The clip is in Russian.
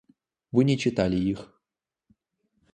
Вы не читали их.